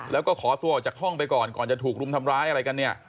แล้วก็ขอตัวออกจากห้องไปก่อนก่อนจะถูกรุมทำร้ายอะไรกันเนี่ย